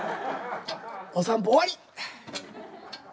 お散歩終わり！